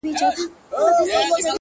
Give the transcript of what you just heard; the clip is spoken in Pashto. دا خپله وم،